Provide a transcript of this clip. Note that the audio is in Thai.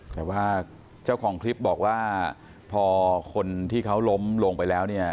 แต่ว่าเจ้าของคลิปบอกว่าพอคนที่เขาล้มลงไปแล้วเนี่ย